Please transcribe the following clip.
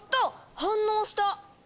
反応した！